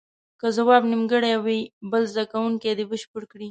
که ځواب نیمګړی وي بل زده کوونکی دې بشپړ کړي.